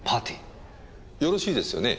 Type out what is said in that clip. よろしいですよね？